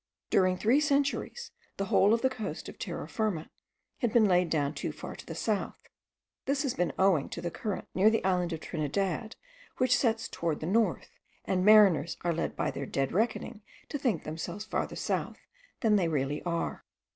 During three centuries the whole of the coast of Terra Firma has been laid down too far to the south: this has been owing to the current near the island of Trinidad, which sets toward the north, and mariners are led by their dead reckoning to think themselves farther south than they really are.